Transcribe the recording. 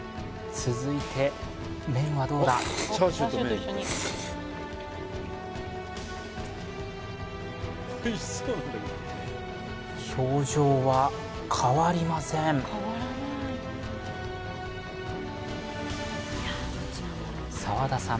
続いて麺はどうだ表情は変わりません澤田さん